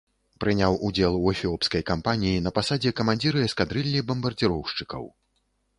Прыняў удзел у эфіопскай кампаніі на пасадзе камандзіра эскадрыллі бамбардзіроўшчыкаў.